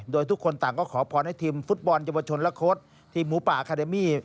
โดยทุกคนต่างก็ขอพรให้ทีมฟุตบอลเยาวชนและโค้ดทีมหมูป่าอาคาเดมี่